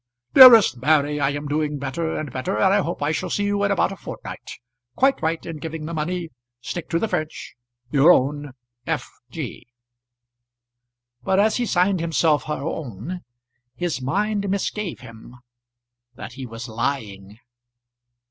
"Dearest Mary, I am doing better and better, and I hope I shall see you in about a fortnight. Quite right in giving the money. Stick to the French. Your own F. G." But as he signed himself her own, his mind misgave him that he was lying.